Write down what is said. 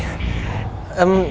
pacar saya memang unik